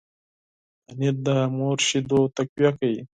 پنېر د مور شیدو تقویه کوي.